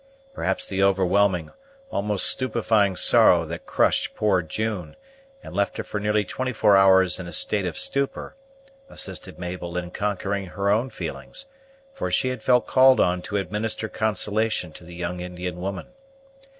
Perhaps the overwhelming, almost stupefying sorrow that crushed poor June, and left her for nearly twenty four hours in a state of stupor, assisted Mabel in conquering her own feelings, for she had felt called on to administer consolation to the young Indian woman.